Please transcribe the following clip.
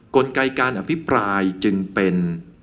กลไกการอภิปรายจึงเป็น